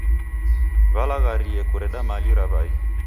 W'alaghirie kureda mali ra mwai.